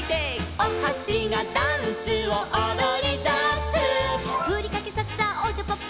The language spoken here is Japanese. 「おはしがダンスをおどりだす」「ふりかけさっさおちゃぱっぱ」